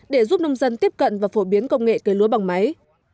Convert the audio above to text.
để giúp nông dân tiếp cận và phổ biến công nghệ cây lúa bằng máy